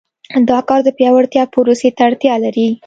دا کار د پیاوړتیا پروسې ته اړتیا لري.